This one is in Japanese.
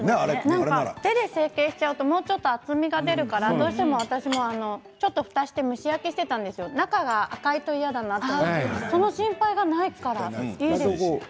手で成形しちゃうと厚みが出るから私もふたをして蒸し焼きにしていたんですよ、中が赤いと嫌だなと思ってその心配がないからいいですね。